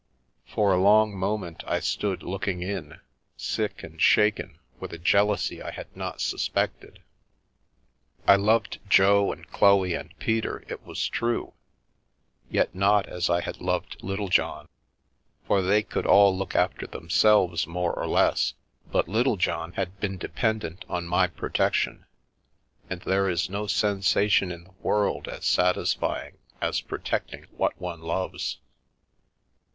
For a long moment I stood looking in, sick and shaken with a jealousy I had not suspected. I loved Jo and Chloe and Peter, it was true, yet not as I had loved Littlejohn. For they could all look after them selves, more or less, but Littlejohn had been dependent on my protection, and there is no sensation in the world as satisfying as protecting what one loves.